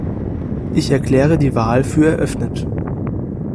Ich erkläre die Wahl für eröffnet.